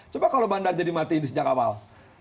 coba kalau bandar jadi mati di senjak awal